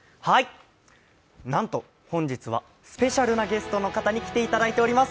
なんと、本日はスペシャルなゲストの方にいらしていただいています。